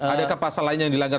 adakah pasal lain yang dilanggar